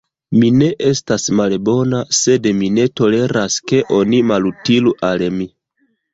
Mi ne estas malbona, sed mi ne toleras, ke oni malutilu al mi.